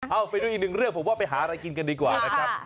เอาไปดูอีกหนึ่งเรื่องผมว่าไปหาอะไรกินกันดีกว่านะครับ